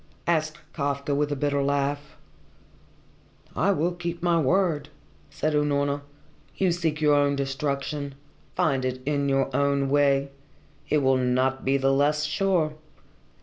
asked Kafka with a bitter laugh. "I will keep my word," said Unorna. "You seek your own destruction. Find it in your own way. It will not be the less sure.